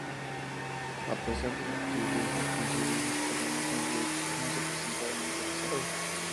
A pesar de los privilegios concedidos por la misma Ley, no se presentaron interesados.